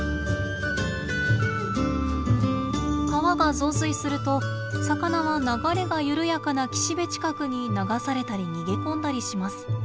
川が増水すると魚は流れが緩やかな岸辺近くに流されたり逃げ込んだりします。